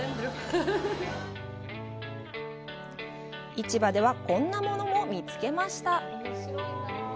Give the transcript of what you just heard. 市場ではこんなものも見つけました。